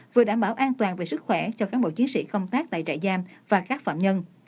vừa đảm bảo an toàn về sức khỏe cho cán bộ chiến sĩ công tác tại trại giam và các phạm nhân